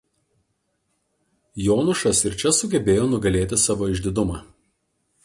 Jonušas ir čia sugebėjo nugalėti savo išdidumą.